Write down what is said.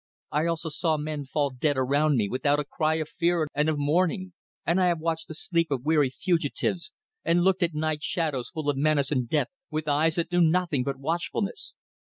I also saw men fall dead around me without a cry of fear and of mourning; and I have watched the sleep of weary fugitives, and looked at night shadows full of menace and death with eyes that knew nothing but watchfulness.